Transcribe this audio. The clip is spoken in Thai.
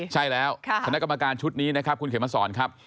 ใช่แล้วคณะกรรมการชุดนี้นะครับคุณเขมสอนครับ